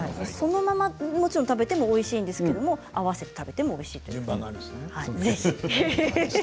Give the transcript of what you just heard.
そのままでもおいしいですけれど合わせて食べてもおいしいです。